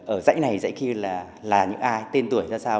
ở dãy này dãy kia là những ai tên tuổi ra sao